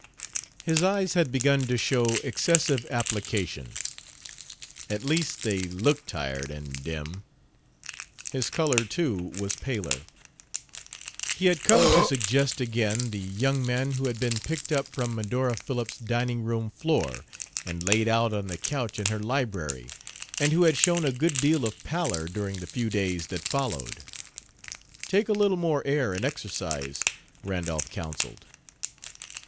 His eyes had begun to show excessive application; at least they looked tired and dim. His color, too, was paler. He had come to suggest again the young man who had been picked up from Medora Phillips' dining room floor and laid out on the couch in her library, and who had shown a good deal of pallor during the few days that followed. "Take a little more air and exercise," Randolph counselled.